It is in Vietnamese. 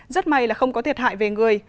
rất may là không có thiệt hại về người